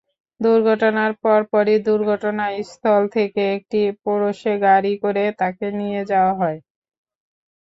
দুর্ঘটনার পরপরই দুর্ঘটনাস্থল থেকে একটি পোরশে গাড়িতে করে তাঁকে নিয়ে যাওয়া হয়।